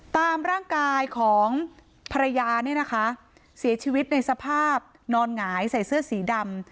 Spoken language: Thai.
ตามร่างกายของภรรยาเนี่ยนะคะเสียชีวิตในสภาพนอนหงายใส่เสื้อสีดำ